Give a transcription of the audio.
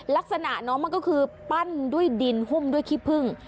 ลักษณะน้องมันก็คือปั้นด้วยดินหุ้มด้วยขี้พึ่ง